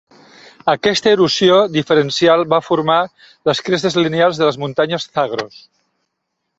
Aquesta erosió diferencial va formar les crestes lineals de les muntanyes Zagros.